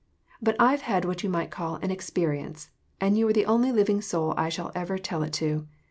But I've had what you might call an experience, and you are the only living soul I shall ever tell it to.